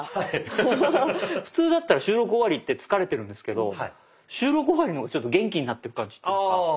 普通だったら収録終わりって疲れてるんですけど収録終わりの方がちょっと元気になってる感じというか。